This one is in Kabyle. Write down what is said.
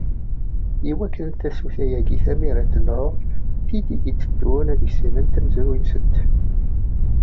I wakken, tasuta-agi tamirant neɣ tid i d-iteddun ad issinent amezruy-nsent.